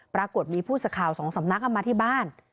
ปรากฏมีผู้สื่อข่าวสองสำนักเอามาที่บ้าน